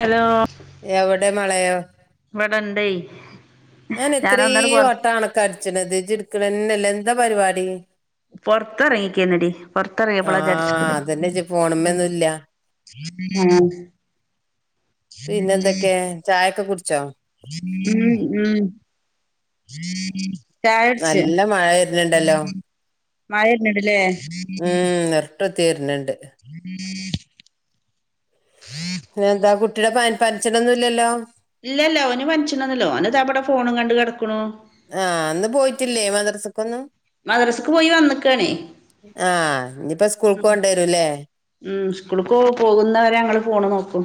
Hello- വളയോ- ഇവിട്ണ്ടേയ്- ഞാൻ എത്രയും വട്ടണൊക്കെ അടിച്ചിണത് ചിടുക്കണന്നല്ല എന്താ പരിപാടി? പൊറത്ത്റങ്ങിക്കന്നടി പൊറത്ത്റങ്ങിയപ്പോളാ ചടച്ച ആഹ് അതന്നെ ഇജ്ജ് ഫോണുമ്മൊന്നുല്ല ആഹ! പിന്നെന്തൊക്കെ ചായൊക്കെ കുടിച്ചോ? മ്ഹ് മ്ഹ് - പേടിച്ച് നല്ല മഴ വരുന്നുണ്ടല്ലോ മായടല്ലേ- [unintelligible] പി ന്നെന്താ കുട്ടിയുടെ പനിച്ചണൊ ഒന്നുംല്ലല്ലോ? ഇല്ലല്ല ഓന് മനിച്ചണന്നല്ലോ ഓനത് അവിടെ ഫോണും കണ്ട് കിടക്കണു- ആഹ്! അന്ന് പോയിട്ടില്ലേ മദ്രസക്കൊന്നും മദ്രസക്ക് പോയി വന്ന്ക്കണേ ആഹ് ഇനിപ്പോ സ്കൂൾക്ക് പോണ്ട വരൂല്ലേ? ഇപ്പോ പോകുന്ന വെരെ ഞങ്ങെൾ ഫോണ് നോക്കും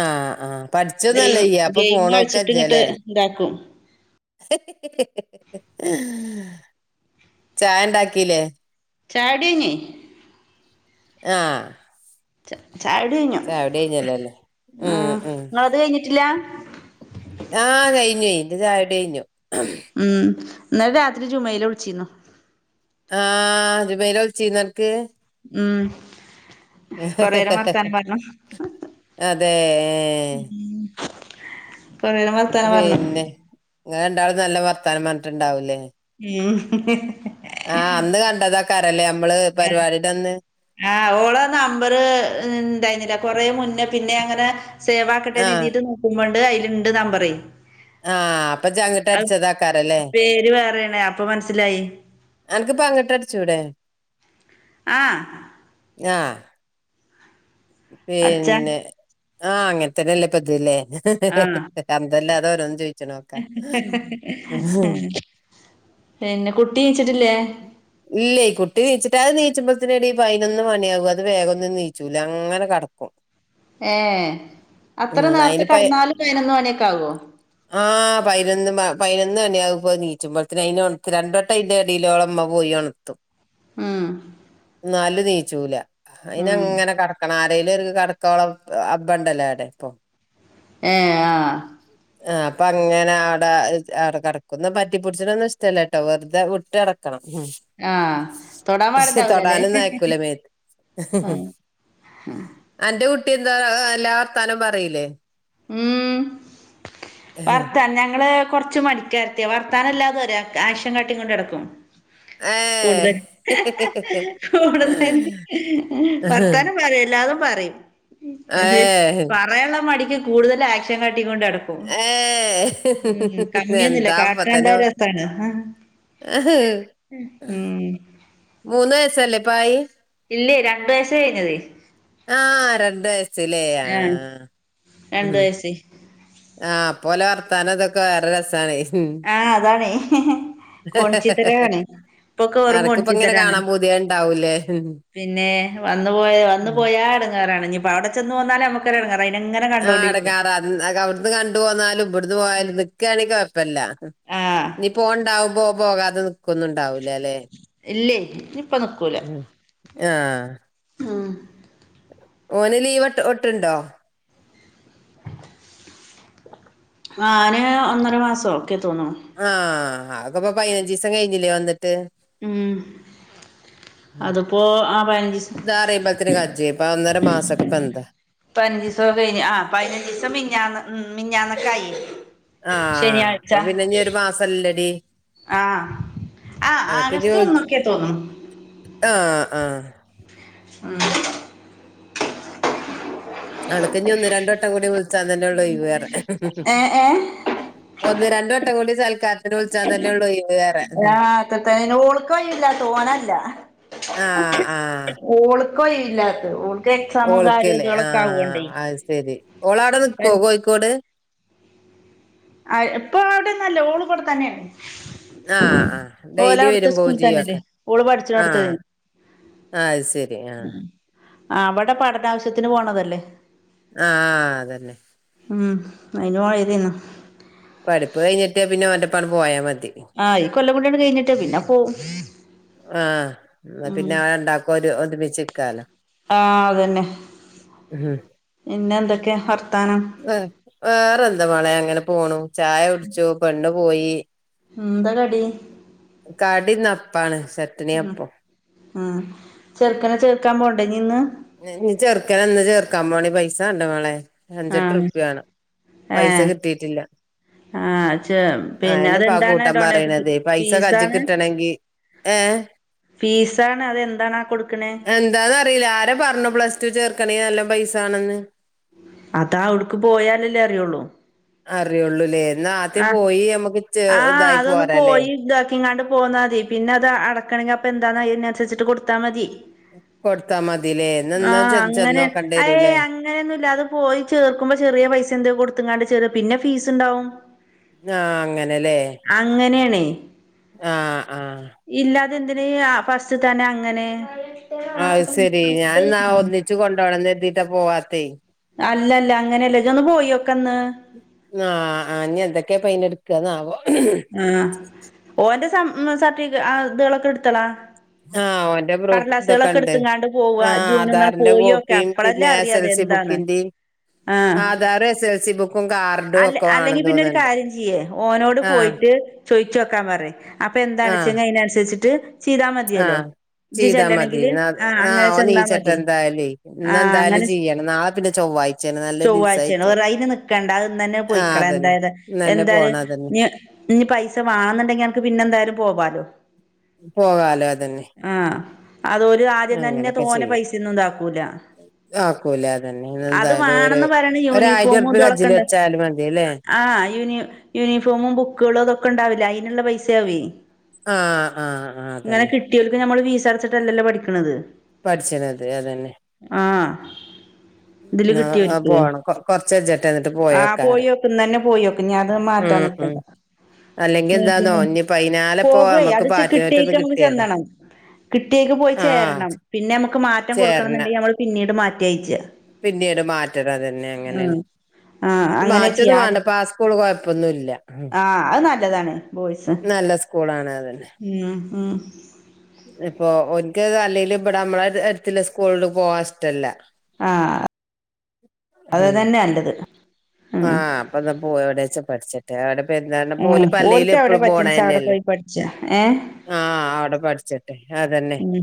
ആഹ് ആഹ് പഠിച്ചൊന്നും ഗെയിം അല്ല ചെയ്യാ അപ്പ ഗെയിം കളിച്ചിട്ട് ഇങ്ങട്ട് ഫോണോക്കാജ്ജലെ ഇതാക്കും ചായ ഇണ്ടാക്കീലെ ചായുടി കഴിഞ്ഞെ ആഹ് ചായുടി കഴിഞ്ഞു ചായുടി കഴിഞ്ഞല്ലല്ലേ ഉം ആഹ് ഉം ഇങ്ങെൾത് കഴിഞ്ഞിട്ട് ഇല്ല ആഹ് കഴിഞ്ഞൊയ് ഇന്റെ ചായുടി കഴിഞ്ഞു ഉം ഇന്നെലെ രാത്രി ജുമൈല വുൾച്ചിന്നു ആഹ് ജുമൈല വുൾച്ചിന്നോ അന്ക്ക് ഉം കൊറെരം വർത്താനം പർണു അതെ കൊറേരം വർത്താനം പർണു ഇങ്ങെൾ രണ്ടാളും നല്ല വർത്താനം പർൺട്ട് ഇണ്ടാവും ലെ ഉം ആഹ് അന്ന് കണ്ടതാക്കാരം ലെ നമ്മെൾ പര്പാടിന്റെ അന്ന് ഓളെ നമ്പെർ ഇണ്ടായ്ന്നില്ല കൊറെ മുന്നേ പിന്നെ ഞാ ഇങ്ങെനെ സേവാക്കട്ടെ എന്നു ആഹ് കരുതീട്ട് നോക്കുമ്പോണ്ട് അതിലുണ്ട് നമ്പറ് ആഹ് അപ്പൊ ചങ്കിട്ടടിച്ചതാക്കാറല്ലേ അപ്പ മനസ്സിലായി അനക്ക് പങ്കിട്ടടച്ചൂടെ ആഹ് ആഹ് അടിച്ചാ പിന്നെ ആ അങ്ങനെത്തന്നെല്ല പതില്ലേ ആഹ് അല്ല എതരന്ന് ചോയിച്ച് നോക്കാ പിന്നെ കുട്ടിയ ഇല്ലേ കുട്ടി നീച്ചിട്ട അത് നീ പച്ചുമ്പത്തിനിടെ ഈ പതിനൊന്ന് മണിയാകും അത് വേഗംന്നും നീച്ചൂല അങ്ങനെ കടക്കും ഏർ അത്ര ഉം അയിന് നേരത്തെ കടന്നാല പതിനൊന്ന് മണിയൊക്കെ ആകുവോ ആ പതിനൊന്ന് പാ പയിനൊന്ന് മണിയാവുമ്പോ നീച്ചുമ്പോഴത്തേന് അയിനോത്ത് രണ്ടൊട്ടം അയിന്റെ വയിലോളമ്മ പോയി ഒണുത്തും ഉം നാല് തെയ്ച്ചുല്ല അയിന് ഉം അങ്ങനെ കടക്കണ ആയിലെ കടക്കോളം അബ്ണ്ടല്ലേ അടെ ഇപ്പൊ ഏ ആ ആ അപ്പൊ അങ്ങനെ അവിടെ അവിടെ കിടക്കുന്ന പറ്റിപ്പൊടിച്ചിട്ടൊന്നും ഇഷ്ടല്ല കേട്ടോ വെറുതെ വിട്ട് കിടക്കണം ആഹ് തൊടാൻ ഉ പാടുണ്ടാവൂലല്ലേ തൊടാനുംന്നയക്കൂലമേത്ത് ആഹ് എന്റെ കുട്ടി എന്താ എല്ലാ വർത്താനും പറയിലേ ഉം വർത്താൻ ഞങ്ങള് കൊറച്ചു മണിക്കാരത്തിയ വർത്താനമില്ലാതെ ഒരാക്ക് ആക്ഷൻ കാട്ടി കൊട്ടിക്കൊണ്ട് നടക്കും കൂടുതൽ കൂടുത വർത്താനം പറ ല്ലാന്ന് പറയും പറയാനുള്ള മടിക്ക് കൂടുതൽ ആക്ഷൻ കണിക്ക കൈകൊട്ടൊടക്കും ഉം കമ്മിയൊന്നുമില്ല എന്താ അപ്പൊ തന്നെ കാട്ടാണ്ട രസാണ് ആ മൂന്ന് വയസല്ലേ പായ ഇല്ലേ രണ്ട വയസ കഴിഞ്ഞത് ആ രണ്ട വയസില ആ ഉ രണ്ടു വയസ്സ് ആ അപ്പോലെ വർത്താനം അതൊക്കെ വേറെ രസണേ ആ അതാണേ [unintelligible] ഇപ്പൊക്കെ എനക്കിപ്പോ ഇങ്ങനെ കാണാൻ [unintelligible] പുതിയ ഉണ്ടാവൂലേ പിന്നെ വന്നു പോയ വന്നു ഉം. പോയാ എടുങ്ങറാണ് ഇപ്പോ അവിടെ ചെന്ന് പോന്നാലേ നമ്മുക്ക് ആ അടങ്ങാറാ അവിടുന്ന് കണ്ടു പോന്നാലും ഇവിടന്ന് പോയാലും നിക്കുകയാണെങ്കിൽ കുഴപ്പമില്ല. ആഹ് ഇനി പോണ്ടാവും പോ പോകാതെ നിക്കന്ന ഇണ്ടാവൂ ല്ലാ ല്ലേ ഇല്ലേ ഇനിയിപ്പ നിക്കൂല ആഹ് ഉം ഓന് ലീവ്ട്ട് ഒട്ടുണ്ടോ? അവന് ഒന്നര മാസം ഒക്കെ തോന്ന്ണു ആ അതപ്പ പതിനഞ്ച് ദിവസം കഴിഞ്ഞില്ലേ വന്നി ഉം [unintelligible] അതിപ്പോ ആ പതിനഞ്ചീസം ഒന്നര മസൊക്കെ ഇപ്പൊ എന്താ? പതിനഞ്ച് ദിവസം കഴിഞ്ഞു ആ പതിനഞ്ച് ദിവസം മിഞ്ഞാന്ന് മിഞ്ഞാന്നൊക്കെ ആയി. ആഹ് ശനിയാഴ്ച അപ്പൊ പിന്നെ ഇനി ഒരു മാസല്ലടി ആഹ് ആ ആഗസ്റ്റ് ഒന്നൊക്കെ തോന്നും. ആ ആ. ഉം. ആളക്കഞ്ഞ ഒന്ന് രണ്ട് വട്ടം കൂടി വിളിച്ചാ തന്നെള്ളൂ ഏഹ് ഏഹ് [unintelligible] രണ്ട് വട്ടം കൂടി സൽക്കാരത്തിന് വിളിച്ചാ തന്നെ ഉള്ളു ആഹ് ആഹ് [unintelligible] ഓൾക്കോ ഇല്ലാത്ത എക്സാമും കാര്യം ഓൾക്കല്ലേ ആ ഇതുകളൊക്കെ ആവോണ്ടേ അത് ശെരി ഓള അവിടെ നിക്കുവോ കോഴിക്കോട്? എപ്പൊ അവിടെന്നല്ലേ ഓള് ഇവിടെ തന്നെയാണ്. ആ ആ ഓല ഡെയിലി അവിടുത്തെ വരും പോവും സ്കൂളിൽ തന്നെല്ലേ ചെയ്യൂയൊക്കെ ഓള് ആ. പഠിച്ചിടടുത്ത് അത് ശരി ആ. ആ അവിടെ പഠന ആവശ്യത്തിന് പോണതല്ലേ. ആ അതന്നെ. ഉം അയിന് പോയതാണ് പഠിപ്പ് കഴിഞ്ഞ് കിട്ടിയ പിന്നെ ഓന്റെ ഒപ്പം അങ്ങട് പോയാൽ മതി. ആ ഈ കൊല്ലം കൂടി അങ്ങട് കഴിഞ്ഞിട്ട് പിന്നെ പോവും. ആ ഉം പിന്നെ അവ രണ്ടാക്കും ഒരു ഒരുമിച്ചിക്കാലോ. പിന്ന എന്തൊക്ക? വേറെ എന്താ മോളെ അങ്ങനെ പോണു ചായ കുടിച്ചു പെണ്ണും പോയി. എന്താ കടി? കടിന്ന് അപ്പാണ് ചട്ടിണി ഉം അപ്പം ഉം ചെറുക്കനെ ചേർക്കാൻ പോണ്ടേ ഇനി ഇന്ന്? ചെറുക്കൻ ഇന്ന് ചേർക്കാൻ പോണം പൈസ വേണ്ടേ മോളെ അഞ്ചെട്ട് ആഹ് ഉറുപ്യ വേണം. പൈസ ഏഹ് കിട്ടിയിട്ടില്ല. ആഹ് ചെ ആ പിന്നെ ഇനിയിപ്പ ആ അതെന്താണ് കൂട്ടം ഡൊണേഷൻ പറയണത് പൈസ കയ്യി ഫീസാണ് കിട്ടണങ്കി ഏഹ് ഫീസാണ് അതെന്താണാ കൊടുക്കണേ? എന്താന്നറിയില്ല ആരാ പറഞ്ഞു പ്ലസ് ടു ചേർക്കണ നല്ലോം പൈസ വേണെന്ന്. അതാ അവിടുക്ക് പോയാലല്ലേ അറിയുള്ളൂ. അറിയുള്ളൂല്ലേ എന്നാ ആദ്യം ആ പോയി നമ്മുക്ക് ചെ ആ ഇതായി അതൊന്ന് പോരല്ലേ പോയി ഇത ഇങ്ങാണ്ട് പോന്നാൽ മതി പിന്നെ അത് അടക്കണമെങ്ക അപ്പം എന്താന്ന അതിനനുസരിച്ചിട്ട് കൊടുത്താൽ മതി. കൊടുത്താ മതിലെ? ആഹ് അങ്ങനെ ഏയ് അങ്ങനെയൊന്നും ഇല്ല അത് പോയി ചേർക്കുമ്പോ ചെറിയ പൈസ എന്ത കൊടുത്തങ്ങാണ്ട് ചെ പിന്നെ ഫീസ് ഉണ്ടാവും. ആ അങ്ങനെ. അങ്ങനെയാണേ. ആ ആ. അതെന്തിന ഫസ്റ്റ് തന്നെ അങ്ങനെ അത് ശെരി ഞാൻ എന്നാ ഒന്നിച്ചച്ച് കൊണ്ടോണം എതിീട്ടാ പോവാത്തെ അല്ലല്ല അങ്ങനെയല്ല ഇജ് ഒന്ന് പോയോക്കന്ന് ആ എന്തൊക്കെയ പ എടു കന്ന ആ ഓന്റെ സർട്ടിഫ ഇതൊക്കെ എടുത്തളാ ആഹ അവഓന്റെ പ്രൂഫ് ഇതൊക്കെ കടലാസുകളൊക്കെ ഉണ്ട് എടുത്തുങ്ങാണ്ട് പോവ ആ ജൂനൊന്ന് ആധാറിന്റെ പോയോക്ക കോപ്പിയും അപ്പളല്ലേ പിന്നെ എസ് അറിയ എൽ സ അതെന്താന്ന് ആഹ് ബുക്കിിാ എസ് എൽ സി ബുക അല്ല അല്ലെങ്കി പിന്നെ ഒരു കാര്യം ചെയ്യേ ഓനോട് ആഹ് പോയിട്ട് ചോയ്ിച്ച വെക്കാൻ പറേ അപ്പൊ എന്താണ ആഹ് വെച്ചെങ്ക അതിനനുസരിച്ചിട്ട് ചെയ്താൽ മതിയല്ലോ ആഹ് ഇത് ചെയ്താ മതി ചെല്ലണെങ്കില് ന്നാ ആഹ അങ്ങനെ ആഹ് ഓൻ ചെന്നാ നീച്ചട്ടെ മതി എന്തായാലേ ആഹ ഇന്നെന്തായാലും അങ്ങനെ ചെയ്യണം നാളെ പിന്നെ ചൊവ്വാഴ്ചയാണ് നല്ല ചൊവ്വാഴ്ചയാണ് ദിവസായിട്ട് വേറെ അന് നിക്കണ്ട അ ആഹ് പൊയിക്കള അതന്നെ എന്തായത് ഇന്നന്നെ എന്തായാല പോണം അതന്നെ ഇ പൈസ വണന്നണ്ടെങ്കിൽ എനക്ക് പിന്നെ എന്തായാലും പോവാ പോകാലേ അതന്നെ അതൊല ആദ്യം തന്നെ അങ്ങനൊക്കെ തോനെ ചെയ്യും പൈസയന്നും ഇതാക്കൂല ആക്കൂലേ അതന്നെ അത് ഇന്നെന്തായാലും ഒരു വേണംന്ന് പറയണ ഒരായിരം യൂണിഫോമ ഉറുപ്പ്യ കജ്ജില് ഇതുളക്കണ്ട വെച്ചാലും മതിയല്ലേ ആ് യൂ യൂണിഫോമും ബുക്കുകളും അതൊക്കെ ഉണ്ടാവില്ല അതിനുള്ള പൈസയാവിേ ആഹ് ആഹ് ആഹ് ഇങ്ങനെ അതന്നെ കിട്ടിയലക്കും നഞമ്മള് വീസ് അടച്ചിട്ടല്ലല്ലോ പഠിക്കണത് പഠിച്ചന അതെ അതന്നെ ആഹ ആ പോണം കൊറച്ച ചേട്ട എന്ന എന്നിട്ട് പോ ആഹ പോയി വെക്കന്ന് തന്നെ പോയി വെക്കും ഞാാന അത് മാറ്റാൻ ഉം ഉം നിക്കണ്ട അല്ലെങ്കി എന്താന്നോ നട്ട ഇനിപ്പ അയിനാലെപ്പോ പോകുവായി നമ്മക്ക് അത് കിട്ടിയേക്ക പാറ്റ്നോറ്റൊന്ന് നമ്മക്ക് കിട്ടിയതാ ചെന്നണം കിട്ടിയേക്ക് പോയി ചേരണം ആഹ് പിന്നെ നമുക്ക് മാറ്റം കൊടുക്കണം ചേരണം എന്നുണ്ടെങ്കിൽ നമ്മള് പിന്നീട് മാറ്റ പിന്നീട് മാറ്റട അതന്നെ അങ്ങനെയാണ് ആഹ് ആഹ് ത് അങ്ങനെ ചെയ്യാ മാറ്റൊന്നും ആദ്യം വേണ്ടപ്പ ആ സ്കൂള് കൊഴപ്പൊന്നുമല്ല ആഹ് അത് നല്ലതാണ് ബോയ്സ് അതന്നെ ഉ ഉ ഇപ്പൊ എനിക്ക് അല്ലെങ്കും ഇവിടെ നമ്മള എടുത്തി സ്കൂള പോവാൻ ഇഷ്ടല്ല ആഹ ഉം അത്തന്നെ നല്ലത് ഉം ആഹ് അപ്പൊ പോ എവിടെ വെച്ച പഠിച്ചിട്ടെ എവിടെ അപ്പ എന്ത ഉം പോല പല്ലൽ ഓൽക്ക് എവിടെ എപ്പഴും പോണ പറ്റ്ണ്ച്ചാ അവിടെ തന്നെയല്ലേ പോയി പഠിച്ചാ ആഹ അവിടെ പഠിച്ചിട്ടെ അതന്നെ ഉം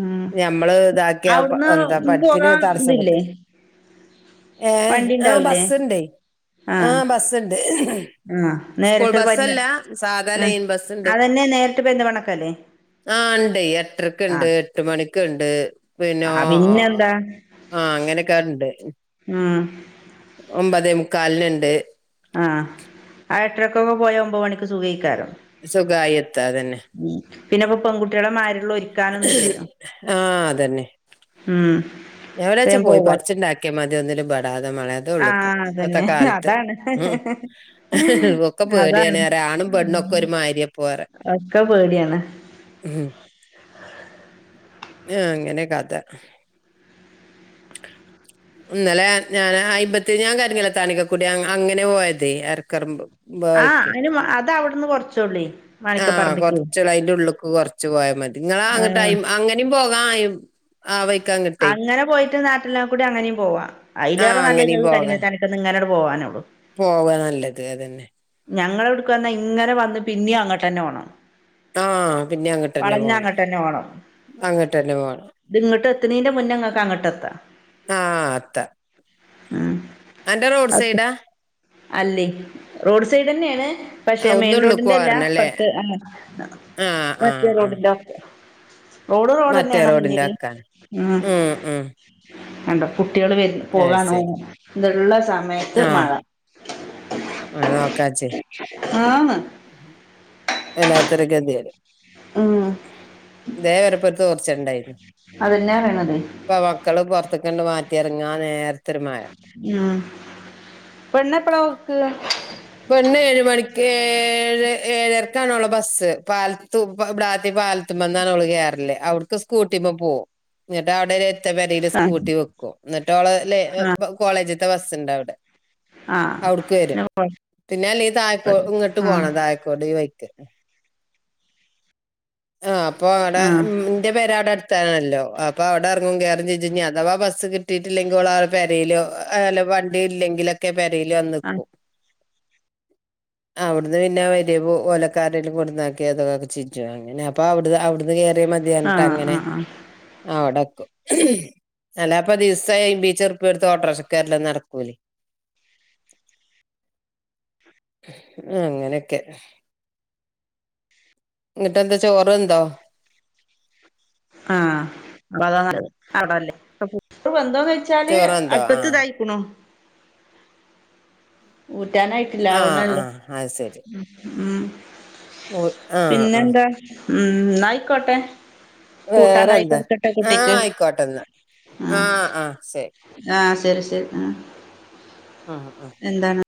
ഉം ഞമ്മള് ഇതാക്കിയ എന്താ അവിടുന്ന് പഠുപ്പിന് പോകാൻ തടസക്ക ഇതില്ലേ ഏ വണ്ടി ആ ഉണ്ടാവൂലേ ബസ്ണ്ട് ആ ആഹ് ബസ്സ്ുണ്ട് ആഹ് സ്കൂൾ നേരിട്ട് പന്ന ബസ്സല്ല സാക ആഹ് ലൈൻ ബസ്സ്ണ്ട് അതന്നെ നേരിട്ട് പെരുന്തൽമണ്ണക്കല്ലേ ആ ഉണ്ട് എട്ടരക്കുണ്ട് ആഹ് എട്ട് മണിക്കുണ്ട് പിന്നെ ആഹ് ആഹ പിന്നെന്താ അങ്ങനെയക്കാരുണ്ട് ഉം ഒമ്പത് മുക്കാലിനുണ്ട് ടക്കെ പോയ ഒമ്പോൾ മണി സുഖിക്കാലും സുഖമായിത്താതന്നെ പിന്നെപ്പ പെൺകുട്ടളെ മാരരുന്നു ആഹ അതന്നെ ഉം എവിടെ വച്ചാ വേം പോയി പോവാ പഠിച്ചിണ്ടാക്കിയാൽ മതി ഒന്നും ബെടാതെ മളയാതെ ഉള്ളൂപ്പോ ഇപ്പത്തെ കാലത്ത് ഉ ത ഇൊക്കെ പേടിയാന റെ ആണും പെണ്ണുംക്കെ ഒരു മാരിയെ പോവാറെ അക്കെ പേടിയാണ് ആഹ അങ്ങനെ കാത്ത ഇന്നലെ ഞാൻ അയിമ്പത്തി ഞാൻ കാര്യങ്ങ താണിക്ക കൂടി അങ്ങനെ പോയത് ഇറക്കറുമമ്പ് ആ അന് അത്വിടുന്ന് കൊറച്ചള്ളി ആഹ് കൊറച്ച അതിറെ ഉള്ളേക്ക് കൊറച്ച് പോയാൽ മതി നിങ്ങള അ ആഹ് അങ്ങനേും പോകാ ആ വെക്ക അങ്ങനെ പോയിട്ട് നാട്ടെല്ലാം കൂടി അങ്ങനെയും പോവാ ആഹ് അയിലേറെ അങ്ങനിം പോകാ. നല്ലത് [unintelligible] പോവാനുള്ളു. പോവാ നല്ലത് അതന്നെ. ഞങ്ങളവിടുക്ക് വന്ന് ഇങ്ങനെ വന്ന് പിന്നെയും അങ്ങട്ടന്നെ പോണം. ആഹ് പിന്നെയും അങ്ങട്ട്ന്നെ വളഞ്ഞ പോണം അങ്ങട്ടന്നെ പോണം അങ്ങട്ട്ന്നെ പോണം. എത്ത്നെൻ്റെ മുന്നേ ഇങ്ങക്ക് അങ്ങോട്ടെത്താം. ആഹ് എത്ത അൻ്റെ റോഡ് സൈഡാ. അല്ലെയ് റോഡ് സൈഡ് തന്നെയാണ് പക്ഷെ ആഹ് മെയിൻ ഒന്നുള്ള്ക്ക് റോഡിന്റെ അല്ല പോരണല്ലേ? അപ്പറത്ത് ആഹ് ആഹ് മറ്റെ ആഹ് റോഡിൻ്റെ വക്കിനാ. റോഡ് മറ്റേ റോഡന്നയാണോ റോഡിന്റെ മുന്നിൽ വക്കാണ്. ആ ഹ്. ഉം ഉം കണ്ടോ കുട്ടികൾ അയ് ശരി. പോകാനുള്ള സമയത്ത് മഴ. ആ നോക്കാച്ചേ. ആന്ന്. വല്ലാത്തൊരു ഗതികേട്. ഉം ദേവരപ്പുറത്ത് കൊറച്ചേരണ്ടായിരുന്ന് അതന്നെ പറയണത് ഇപ്പ മക്കള് പൊറത്ത്. കണ്ട് മാറ്റിയിറങ്ങാൻ നേര ആഹ് പെണ്ണ് എപ്പഴാ പോക്ക്. പെണ്ണ് ഏഴ് മണിക്ക് ഏഴ് ഏഴരക്കാണ് ഓള ബസ്സ് പാലത്തു. [unintelligible] പാലത്തുമന്നാണ് അവള് കേറല് അവ്ട്ക്ക് സ്കൂട്ടീമ്മ പോകും എന്നിട്ട് അവിടെ വരെ അടുത്ത പരയില് ആഹ് സ്കൂട്ടി വെക്കും എന്നിട്ടോള ലെ കോളേജത്തെ ബസ്സുണ്ട് അവിടെ. ആഹ് അവിടുക്ക് വരും പിന്നെ പിന്നെ അല്ല കൊഴപ്പല്ല തഴക്കോട് ഇങ്ങോട്ട് പോണം തഴക്കോട് ഈ വൈക്ക്. [unintelligible] ആ അപ്പൊ അവിടെ ആഹ് ന്റെ പെരെ അവിടെ അടുത്താണല്ലോ അപ്പൊ അവിടെ [unintelligible] അഥവാ ബസ് കിട്ടിയിട്ടില്ലെങ്കിൽ ഓളാ പെരലോ ആ അല്ല വണ്ടിയില്ലെങ്കിലൊക്കെ പെരീല് ആഹ് വന്ന്ക്കും. അവിടുന്ന് പിന്നെ [unintelligible] ഒലക്കരേലും കൊടുന്നാക്കേ [unintelligible] അതൊക്കെ ഒക്കെ ചെജ്ജും. [unintelligible] അവിടു അവിടുന്ന് കേയറിയ മതിയാനിട്ടാ ആഹ് അങ്ങനെ ആഹ് ആഹ് ആഹ് [unintelligible] എല്ലാപ്പ ദിവസം അയിബീച്ചുറുപ്പിയ എടുത്ത് ഓട്ടോറിക്ഷക്ക് വേരല് നടക്കൂലേയ് [inaudible] അങ്ങനെക്കെ ഇങ്ങട്ടെന്താ ചോറെന്തോ? ആഹ് [unintelligible] ന്ന് വെച്ചാല് ചോറുണ്ടോ അട്പത്ത് ആഹ് ഇതായിക്കുണു കിട്ടാനായിട്ടില ആഹ് ആവുന്നള്ളു ആഹ് ഓ ആഹ് ആഹ് ഉം ന്നായിക്കോട്ടെ. വേറെന്താ കൂട്ടാണ്ടായിക്കൊടുക്കട്ടെ ആഹ് കുട്ടിക്ക് ആയിക്കോട്ടെന്നാ ആഹ് ആഹ് ശരി ആഹ് തരി ശരി ആഹ്, ആഹ്. എന്താണ്